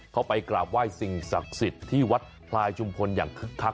เข้าไปกราบไหว้สิ่งศักดิ์สิทธิ์ที่วัดพลายชุมพลอย่างคึกคัก